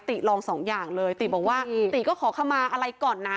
ตี๋ลอง๒อย่างเลยตี๋บอกว่าตี๋ก็ขอเข้ามาอะไรก่อนนะ